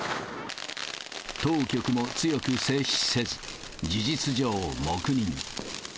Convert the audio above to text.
当局も強く制止せず、事実上、黙認。